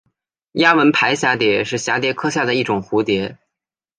丫纹俳蛱蝶是蛱蝶科下的一种蝴蝶。